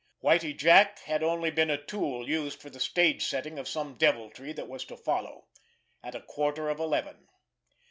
Whitie Jack had been only a tool used for the stage setting of some deviltry that was to follow—at a quarter of eleven.